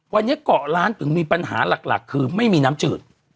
วันนี้เกาะล้านถึงมีปัญหาหลักคือไม่มีน้ำจืด